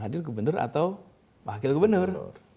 hadir gubernur atau wakil gubernur